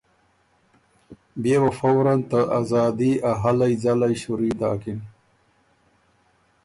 بيې وه فوراً ته ازادي ا هلئ ځلئ شُوري داکِن۔